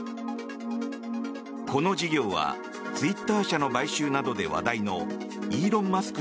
この事業はツイッター社の買収などで話題のイーロン・マスク